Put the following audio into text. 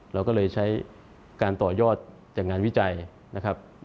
เราก็เลยใช้การต่อยอดจากงานวิจัยนะครับ